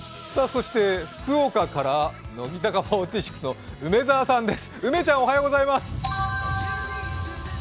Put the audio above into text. そして福岡から乃木坂４６の梅澤さん、梅ちゃん。